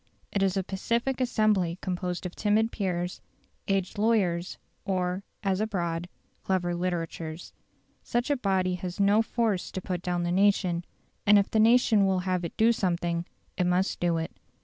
It is a pacific assembly composed of timid peers, aged lawyers, or, as abroad, clever litterateurs. Such a body has no force to put down the nation, and if the nation will have it do something it must do it.